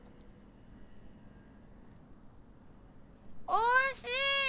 おいしい！